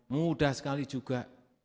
mudah sekali juga